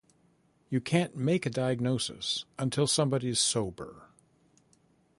You can't make a diagnosis until somebody's sober.